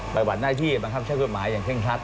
ปรากบัติหน้าที่บังคับใช้ความคิดหมายอย่างเคร่งครัด